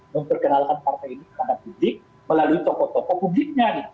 memperkenalkan partai ini kepada publik melalui tokoh tokoh publiknya